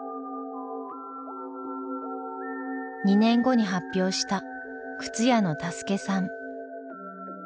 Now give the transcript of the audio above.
２年後に発表した「靴屋のタスケさん」。